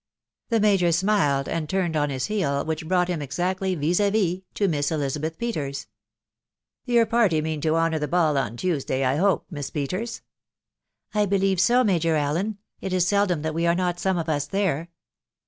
The major smiled, and turned on his heel, which brought him exactly vis d vis to Miss Elizabeth Peters. "Your party mean to honour the ball on Tuesday, I hope, M'ssPeten?" ■Aia THE WIDOW BABNABT. ^5S " I believe fa, Major Allen. It is seldom that we are not . tome of us there."